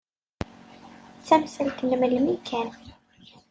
D tamsalt n melmi kan.